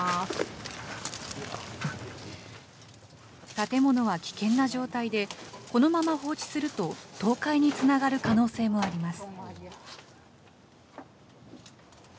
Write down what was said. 建物は危険な状態で、このまま放置すると倒壊につながる可能性もあります。